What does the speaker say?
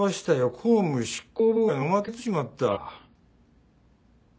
公務執行妨害のおまけついちまった。